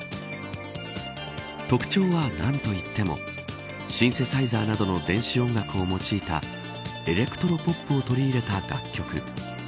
特徴は、何といってもシンセサイザーなどの電子音楽を用いたエレクトロ・ポップを取り入れた楽曲。